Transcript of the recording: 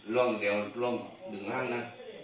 ร่วมเดี๋ยวร่วมดึงอ้านน่ะ